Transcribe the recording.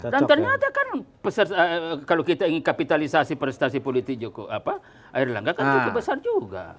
dan ternyata kan kalau kita ingin kapitalisasi prestasi politik cukup air langga kan cukup besar juga